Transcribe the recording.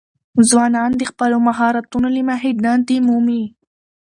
ځوانان د خپلو مهارتونو له مخې دندې مومي.